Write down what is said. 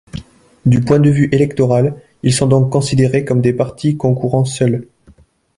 Du point de vue électoral, ils sont donc considérés comme des partis concourant seuls.